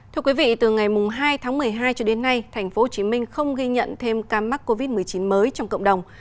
thưa quý vị từ ngày hai tháng một mươi hai cho đến nay tp hcm không ghi nhận thêm ca mắc covid một mươi chín mới trong cộng đồng